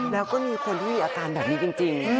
แล้วก็มีคนที่มีอาการแบบนี้จริง